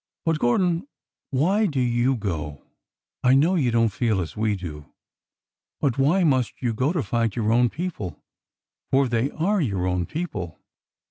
" But, Gordon, why do you go ? I know you don't feel as we do, but why must you go to fight your own people? For they are your own people